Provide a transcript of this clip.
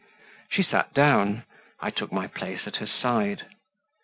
She sat down; I took my place at her side.